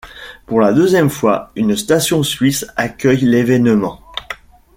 Pour la deuxième fois, une station suisse accueille l'évènement.